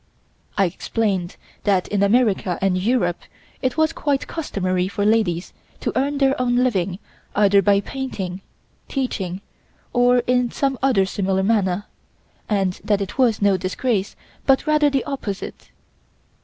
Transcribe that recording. I explained that in America and Europe it was quite customary for ladies to earn their own living either by painting, teaching or in some other similar manner, and that it was no disgrace but rather the opposite.